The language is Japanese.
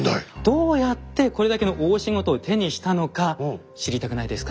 どうやってこれだけの大仕事を手にしたのか知りたくないですか？